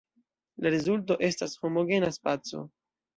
La rezulto estas homogena spaco.